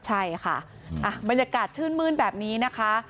ใช่ค่ะบรรยากาศชื่นมื้นแบบนี้นะคะ